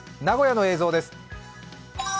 名古屋の映像です。